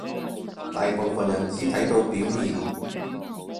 大部分人只睇到表面